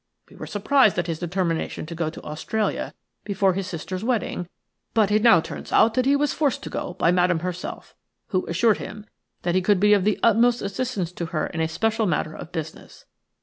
We were surprised at his determination to go to Australia before his sister's wedding, but it now turns out that he was forced to go by Madame herself, who assured him that he could be of the utmost assistance to her in a special matter of business.